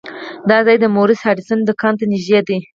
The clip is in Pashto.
دا ځای د مورس هډسن دکان ته نږدې دی.